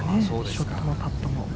ショットもパットも。